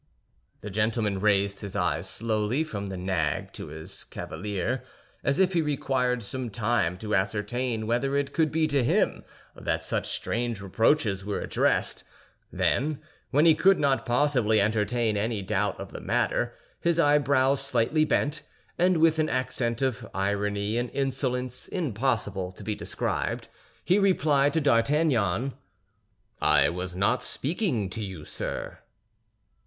The gentleman raised his eyes slowly from the nag to his cavalier, as if he required some time to ascertain whether it could be to him that such strange reproaches were addressed; then, when he could not possibly entertain any doubt of the matter, his eyebrows slightly bent, and with an accent of irony and insolence impossible to be described, he replied to D'Artagnan, "I was not speaking to you, sir."